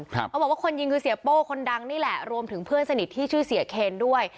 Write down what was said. เขาบอกว่าคนยิงคือเสียโป้คนดังนี่แหละรวมถึงเพื่อนสนิทที่ชื่อเสียเคนด้วย